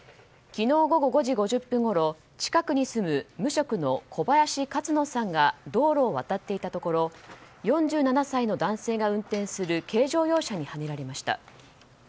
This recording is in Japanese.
昨日午後５時５０分ごろ近くに住む、無職の小林さんが道路を渡っていたところ４７歳の男性が運転する軽乗用車にはねられました。